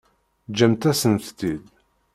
Ǧǧemt-asent-tt-id.